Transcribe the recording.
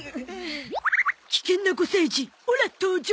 危険な５歳児オラ登場！